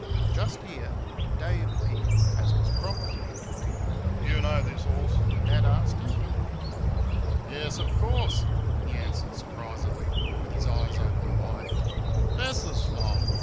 Just here Dave appeared, as was proper. "Do you know this horse?" Dad asked him. "Yes, of course," he answered, surprisedly, with his eyes open wide, "Bess's foal!